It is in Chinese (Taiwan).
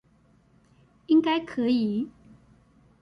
應該可以